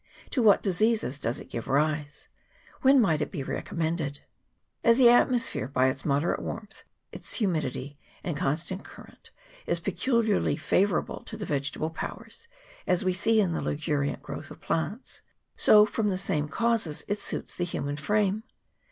To what diseases does it give rise ? When might it be recommended? As the atmosphere, by its moderate warmth, its hu midity, and constant current, is peculiarly favour able to the vegetative powers, as we see in the luxuri ant growth of plants, so from the same causes it suits the human frame.